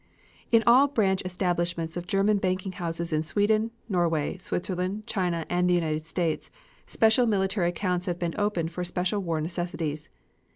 In all branch establishments of German banking houses in Sweden, Norway, Switzerland, China and the United States, special military accounts have been opened for special war necessities.